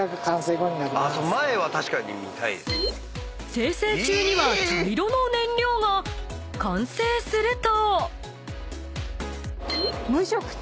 ［精製中には茶色の燃料が完成すると］